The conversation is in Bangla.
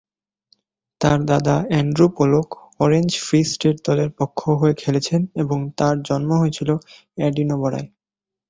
তার দাদা Andrew Pollock Orange Free State দলের পক্ষ হয়ে খেলেছেন এবং তার জন্ম হয়েছিল এডিনবরায়।